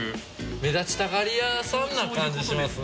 目立ちたがり屋さんな感じしますね。